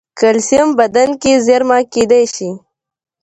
کلسیم بدن کې زېرمه کېدای شي.